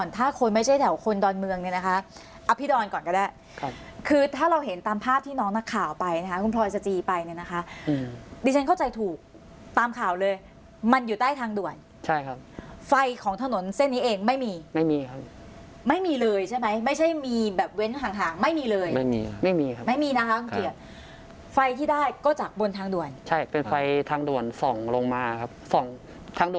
ถ้าคนไม่ใช่แถวคนดอนเมืองเนี่ยนะคะอภิดอนก่อนก็ได้ครับคือถ้าเราเห็นตามภาพที่น้องนักข่าวไปนะคะคุณพลอยสจีไปเนี่ยนะคะดิฉันเข้าใจถูกตามข่าวเลยมันอยู่ใต้ทางด่วนใช่ครับไฟของถนนเส้นนี้เองไม่มีไม่มีครับไม่มีเลยใช่ไหมไม่ใช่มีแบบเว้นห่างห่างไม่มีเลยไม่มีไม่มีครับไม่มีนะคะคุณเกียรติไฟที่ได้ก็จากบนทางด่วนใช่เป็นไฟทางด่วนส่องลงมาครับ